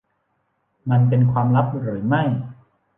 มันเป็นความลับหรือไม่ ?